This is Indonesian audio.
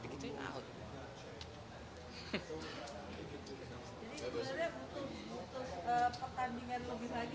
jadi sebenarnya butuh pertandingan lebih lagi